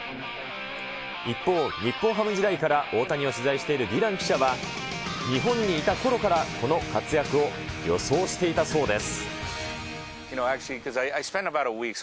一方、日本ハム時代から大谷を取材しているディラン記者は、日本にいたころからこの活躍を予想していたそうです。